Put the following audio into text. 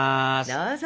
どうぞ！